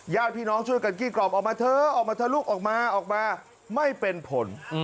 ญาติพี่น้องช่วยกันกี้กล่อมออกมาเถอะออกมาเถอะลูกออกมาออกมาไม่เป็นผล